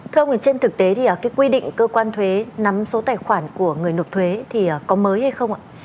thưa ông trên thực tế thì cái quy định cơ quan thuế nắm số tài khoản của người nộp thuế thì có mới hay không ạ